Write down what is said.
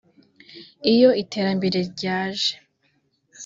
Iyo iterambere ryaje